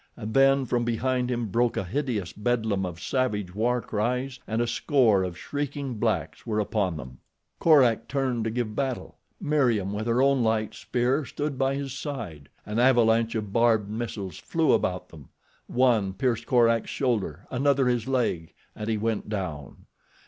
And then from behind him broke a hideous bedlam of savage war cries and a score of shrieking blacks were upon them. Korak turned to give battle. Meriem with her own light spear stood by his side. An avalanche of barbed missiles flew about them. One pierced Korak's shoulder, another his leg, and he went down.